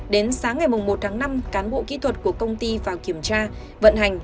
đến sáng ngày một tháng năm cán bộ kỹ thuật của công ty vào kiểm tra vận hành